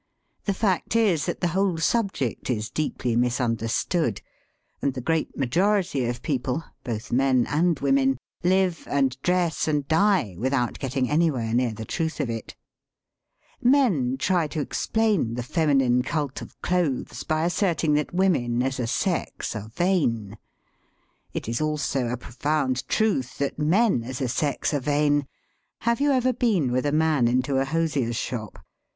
The fact is that the whole subject is deeply misunder stood, and the great majority of people, both men and women, live and dress and die without getting anywhere near the truth of it. Men try to explain the feminine cult of clothes by asserting that women as a sex are vain. It is a profound truth that women as a sex are vain. It is also a profound truth that men as a sex are vain. Have you ever been with a man into a hos ier's shop?